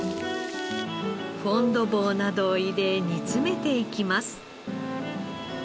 フォンドヴォーなどを入れ煮詰めていきます。